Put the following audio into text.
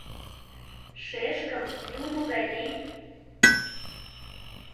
— Шешкым, Юмо гай лий!